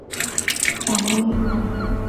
就會越危險